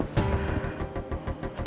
bapak bisa sampai ke sini